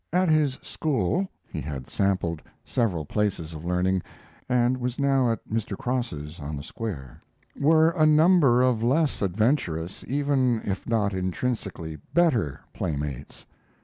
At his school (he had sampled several places of learning, and was now at Mr. Cross's on the Square) were a number of less adventurous, even if not intrinsically better playmates.